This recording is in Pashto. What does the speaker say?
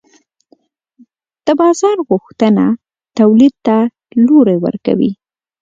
د بازار غوښتنه تولید ته لوری ورکوي.